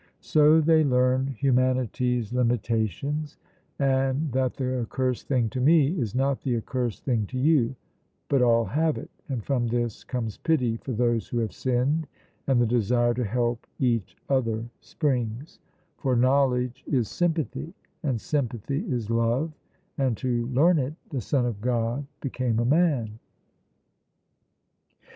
So they learn humanity's limitations, and that the accursed thing to me is not the accursed thing to you; but all have it, and from this comes pity for those who have sinned, and the desire to help each other springs, for knowledge is sympathy, and sympathy is love, and to learn it the Son of God became a man.